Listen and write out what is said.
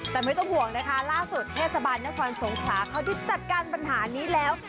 แต่ไม่ต้องห่วงนะคะล่าสุดเศรษฐบาลนับความสงคราเขาที่จัดการปัญหานี้แล้ว